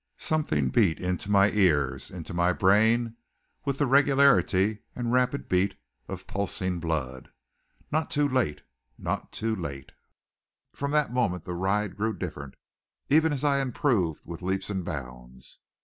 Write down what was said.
Something beat into my ears, into my brain, with the regularity and rapid beat of pulsing blood not too late! Not too late! From that moment the ride grew different, even as I improved with leaps and bounds.